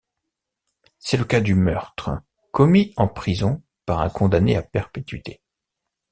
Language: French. C'est le cas du meurtre commis en prison par un condamné à perpétuité.